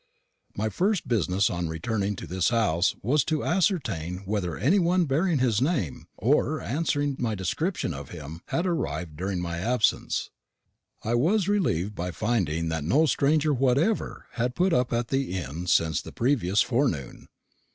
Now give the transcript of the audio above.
My first business on returning to this house was to ascertain whether any one bearing his name, or answering to my description of him, had arrived during my absence. I was relieved by finding that no stranger whatever had put up at the inn since the previous forenoon.